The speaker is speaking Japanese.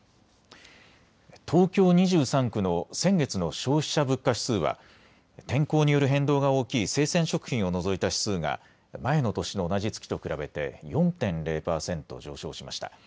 東京２３区の先月の消費者物価指数は天候による変動が大きい生鮮食品を除いた指数が前の年の同じ月と比べて４．０％上昇しました。